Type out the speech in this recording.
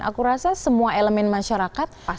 aku rasa semua elemen masyarakat